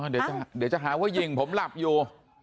เดี๋ยวจะหาว่ายิงผมหลับอยู่